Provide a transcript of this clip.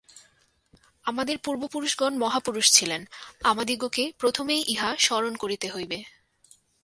আমাদের পূর্বপুরুষগণ মহাপুরুষ ছিলেন, আমাদিগকে প্রথমেই ইহা স্মরণ করিতে হইবে।